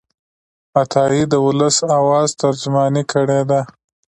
عطايي د ولس د آواز ترجماني کړې ده.